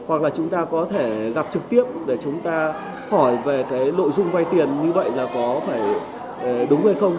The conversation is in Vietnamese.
hoặc là chúng ta có thể gặp trực tiếp để chúng ta hỏi về cái nội dung vay tiền như vậy là có phải đúng hay không